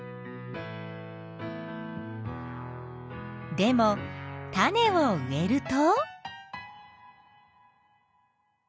でも種を植えると。